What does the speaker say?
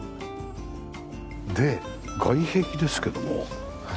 で外壁ですけども。